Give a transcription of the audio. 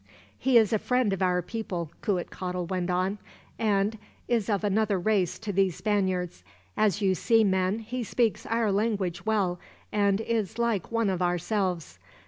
"He is a friend of our people," Cuitcatl went on, "and is of another race to these Spaniards. As you see, men, he speaks our language well, and is like one of ourselves.